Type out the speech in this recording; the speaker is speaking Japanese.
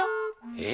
え？